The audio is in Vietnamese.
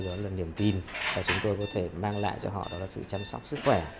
đó là niềm tin và chúng tôi có thể mang lại cho họ sự chăm sóc sức khỏe